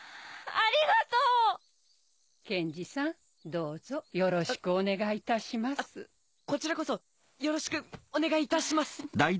あこちらこそよろしくお願いいたします！